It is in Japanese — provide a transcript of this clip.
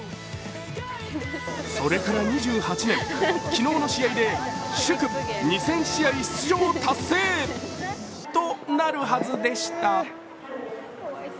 それから２８年、昨日の試合で祝２０００試合出場達成となるはずでした。